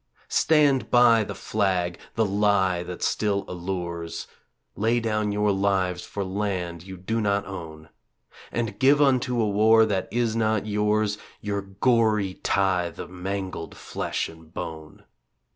Stand by the flag the lie that still allures; Lay down your lives for land you do not own, And give unto a war that is not yours Your gory tithe of mangled flesh and bone.